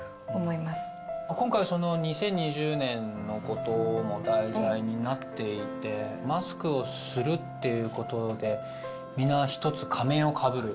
今回は、その２０２０年のことも題材になっていて、マスクをするっていうことでみんな１つ仮面をかぶる。